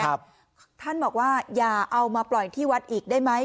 ท่านบอกว่าอย่าเอามาปล่อยที่วัดอีกได้ไหม